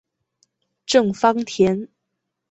郑芳田。